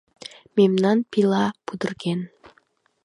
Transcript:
— Мемнан пила пудырген.